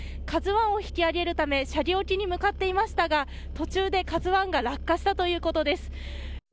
ＫＡＺＵ１を引き揚げるため斜里沖に向かっていましたが途中でＫＡＺＵ１が落下したということです。